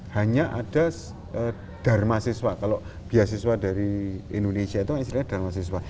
hanya ada darma siswa kalau biasiswa dari indonesia itu istilahnya darma siswa